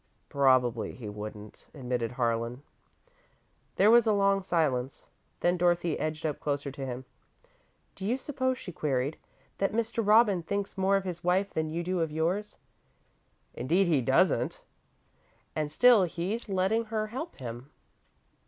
"Probably he wouldn't," admitted Harlan. There was a long silence, then Dorothy edged up closer to him. "Do you suppose," she queried, "that Mr. Robin thinks more of his wife than you do of yours?" "Indeed he doesn't!" "And still, he's letting her help him."